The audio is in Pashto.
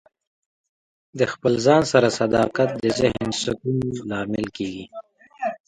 د خپل ځان سره صداقت د ذهن سکون لامل کیږي.